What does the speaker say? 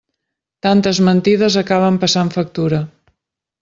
Tantes mentides acaben passant factura.